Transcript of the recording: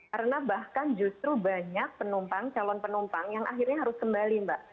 karena bahkan justru banyak penumpang calon penumpang yang akhirnya harus kembali mbak